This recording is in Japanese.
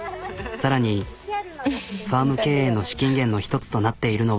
更にファーム経営の資金源の１つとなっているのは。